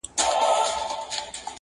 خو په ونه کي تر دوی دواړو کوچنی یم!